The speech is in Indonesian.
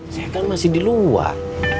saya kan masih di luar